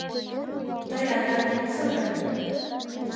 Тый адак ит сыре.